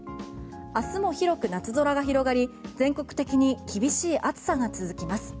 明日も広く夏空が広がり全国的に厳しい暑さが続きます。